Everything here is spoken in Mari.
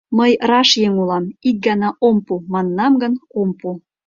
Мый раш еҥ улам: ик гана «ом пу!» манынам гын: ом пу!